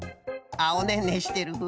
あっおねんねしてる。